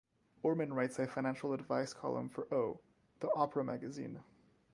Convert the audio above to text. Orman writes a financial advice column for "O, The Oprah Magazine".